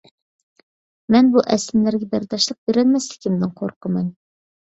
مەن بۇ ئەسلىمىلەرگە بەرداشلىق بېرەلمەسلىكىمدىن قورقىمەن.